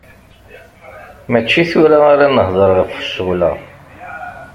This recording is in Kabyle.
Mačči tura ara nehder ɣef ccɣel-a.